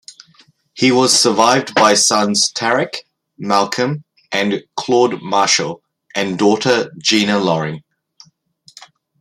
He was survived by sons Tariq, Malcolm, and Claude Marshall and daughter Gina Loring.